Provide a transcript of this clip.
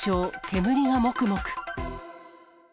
煙がもくもく。